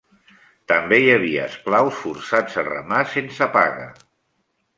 També hi havia esclaus, forçats a remar sense paga.